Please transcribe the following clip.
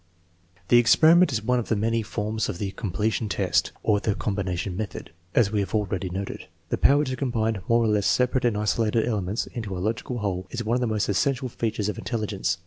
The experiment is one of the many forms of the " com pletion test," or " the combination method.'* As we have already noted, the power to combine more or less separate and isolated elements into a logical whole is one of the most essential features of intelligence.